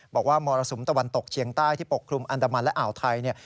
มรสุมตะวันตกเชียงใต้ที่ปกคลุมอันดามันและอ่าวไทยเนี่ย